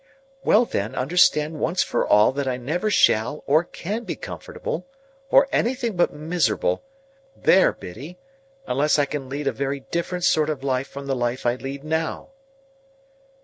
"Well, then, understand once for all that I never shall or can be comfortable—or anything but miserable—there, Biddy!—unless I can lead a very different sort of life from the life I lead now."